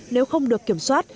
nếu không được kiểm soát